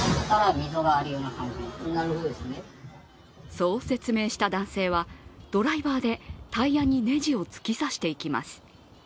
そう説明した男性はドライバーでタイヤにねじを突き刺していきます。